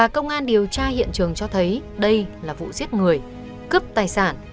công an điều tra hiện trường cho thấy đây là vụ giết người cướp tài sản